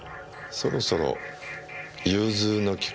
そろそろ融通の利く